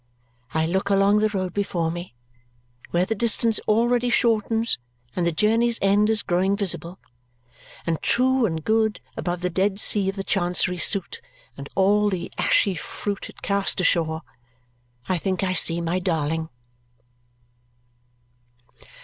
I look along the road before me, where the distance already shortens and the journey's end is growing visible; and true and good above the dead sea of the Chancery suit and all the ashy fruit it cast ashore, I think I see my darling.